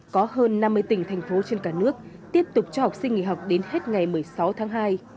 có hơn năm mươi tỉnh thành phố trên cả nước tiếp tục cho học sinh nghỉ học đến hết ngày một mươi sáu tháng hai